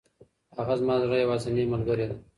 هغه زما د زړه یوازینۍ ملګرې ده.